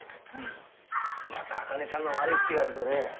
また茜さんの悪い癖が出たね。